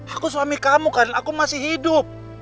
aku suami kamu aku masih hidup